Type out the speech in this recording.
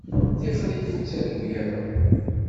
Tixeṛ-ik ur ttargu ara.